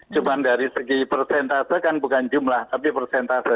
cuma dari segi persentase kan bukan jumlah tapi persentase